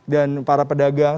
dan para pedagang